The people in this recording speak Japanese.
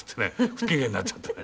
不機嫌になっちゃってね。